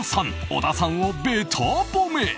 小田さんをべた褒め！